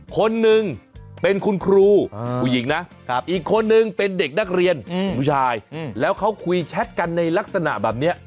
คนหนึ่งเป็นคุณครูผู้หญิงนะอีกคนนึงเป็นเด็กนักเรียนผู้ชายแล้วเขาคุยแชทกันในลักษณะแบบนี้